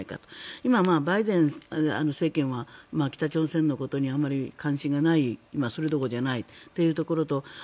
今、バイデン政権は北朝鮮のことにあまり関心がないまあ、それどころじゃないというところと。